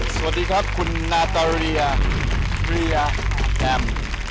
สวัสดีครับคุณนาตอเรียเรียแอม